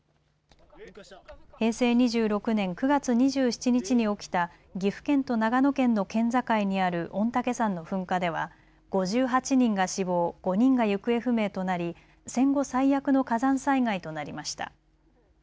平成２６年９月２７日に起きた岐阜県と長野県の県境にある御嶽山の噴火では５８人が死亡、５人が行方不明となり戦後最悪の火山災害となりました。